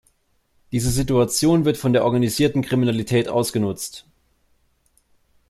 Diese Situation wird von der organisierten Kriminalität ausgenutzt.